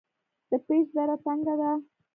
د پیج دره تنګه ده